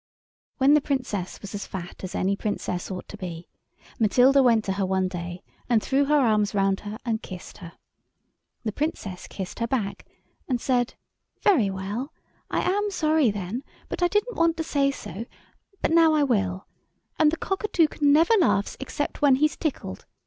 When the Princess was as fat as any Princess ought to be, Matilda went to her one day, and threw her arms round her and kissed her. The Princess kissed her back, and said, "Very well, I am sorry then, but I didn't want to say so, but now I will. And the Cockatoucan never laughs except when he's tickled.